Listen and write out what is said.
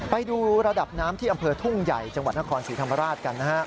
ไปดูระดับน้ำที่อำเภอทุ่งใหญ่จังหวัดนครศรีธรรมราชกันนะฮะ